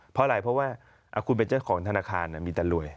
เพราะอะไรเพราะว่าคุณเป็นเจ้าของธนาคารมีแต่รวย